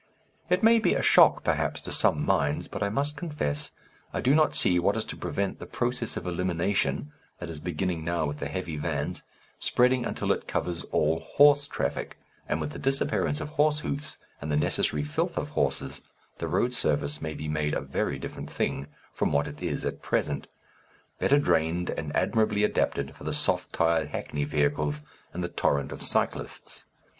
It may be a shock, perhaps, to some minds, but I must confess I do not see what is to prevent the process of elimination that is beginning now with the heavy vans spreading until it covers all horse traffic, and with the disappearance of horse hoofs and the necessary filth of horses, the road surface may be made a very different thing from what it is at present, better drained and admirably adapted for the soft tired hackney vehicles and the torrent of cyclists.